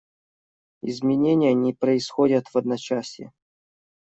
Изменения не происходят в одночасье.